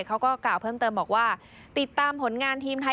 เขาก็กล่าวเพิ่มเติมบอกว่า